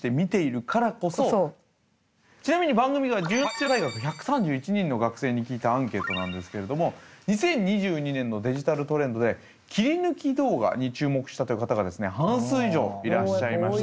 ちなみに番組が１８大学１３１人の学生に聞いたアンケートなんですけれども２０２２年のデジタルトレンドで切り抜き動画に注目したという方が半数以上いらっしゃいました。